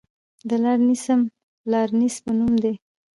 د لارنسیم د لارنس په نوم دی.